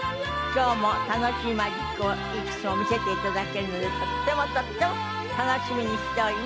今日も楽しいマジックをいくつも見せて頂けるのでとってもとっても楽しみにしております。